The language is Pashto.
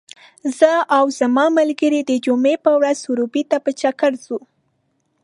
زه او زما ملګري د جمعې په ورځ سروبي ته په چکر ځو .